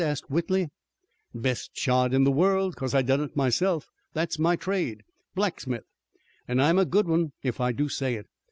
asked Whitley. "Best shod in the world, 'cause I done it myself. That's my trade, blacksmith, an' I'm a good one if I do say it.